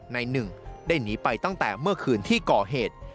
ในหนึ่งได้หนีไปตั้งแต่เมื่อคืนที่ก่อเหตุ